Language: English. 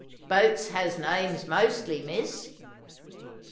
' Boats has names mostly, miss.'